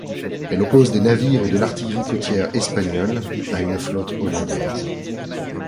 Elle oppose des navires et de l'artillerie côtière espagnols à une flotte hollandaise.